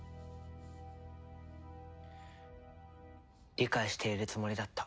理解しているつもりだった。